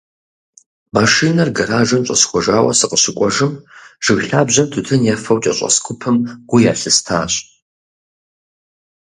Машинэр гэражым щӏэсхуэжауэ сыкъыщыӏукӏыжым, жыг лъабжьэм тутын ефэу кӏэщӏэс гупым гу ялъыстащ.